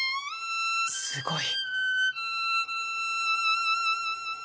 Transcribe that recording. すごい。